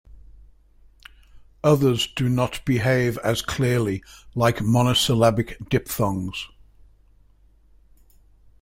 Others do not behave as clearly like monosyllabic diphthongs.